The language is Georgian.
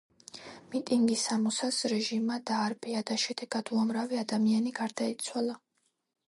მიტინგი სომოსას რეჟიმმა დაარბია და შედეგად უამრავი ადამიანი გარდაიცვალა.